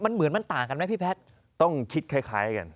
มันเหมือนมันต่างกันไหมพี่แพทย์ต้องคิดคล้ายกัน